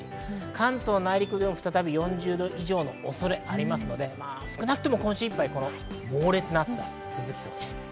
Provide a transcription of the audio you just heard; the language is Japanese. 関東内陸でも再び４０度以上の恐れがありますので、暑くなっても今週いっぱい猛烈な暑さ続きそうです。